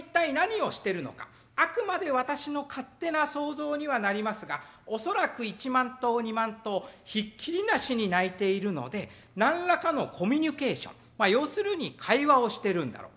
あくまで私の勝手な想像にはなりますが恐らく１万頭２万頭ひっきりなしに鳴いているので何らかのコミュニケーション要するに会話をしてるんだろう。